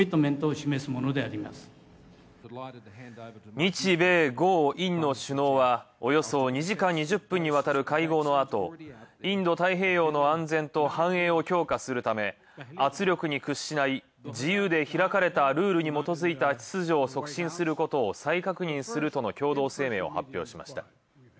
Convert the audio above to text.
日米豪印の首脳は、およそ２時間２０分にわたる会合の後、「インド太平洋の安全と繁栄を強化するため、圧力に屈しない、自由で開かれたルールに基づいた秩序を促進することを再確認する」との共同声明を発表しました。